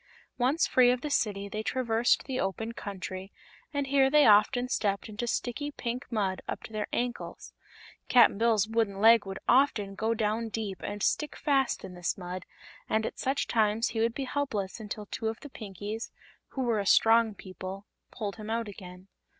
Once free of the City they traversed the open country, and here they often stepped into sticky pink mud up to their ankles. Cap'n Bill's wooden leg would often go down deep and stick fast in this mud, and at such times he would be helpless until two of the Pinkies who were a strong people pulled him out again.